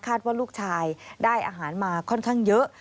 ว่าลูกชายได้อาหารมาค่อนข้างเยอะ